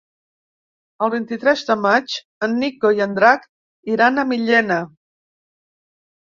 El vint-i-tres de maig en Nico i en Drac iran a Millena.